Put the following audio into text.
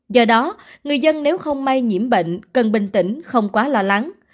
do đó người dân nếu không may nhiễm bệnh cần bình tĩnh không quá lo lắng